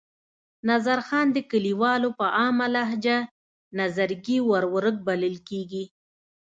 نظرخان د کلیوالو په عامه لهجه نظرګي ورورک بلل کېږي.